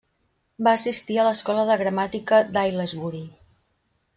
Va assistir a l'Escola de Gramàtica d'Aylesbury.